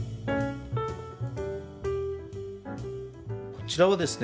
こちらはですね